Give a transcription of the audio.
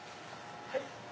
はい。